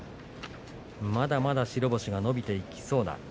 まだまだ白星が伸びていきそうな。